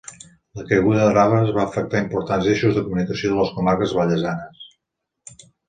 La caiguda d'arbres va afectar importants eixos de comunicació de les comarques vallesanes.